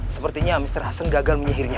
sepertinya mr hasan gagal menyihirnya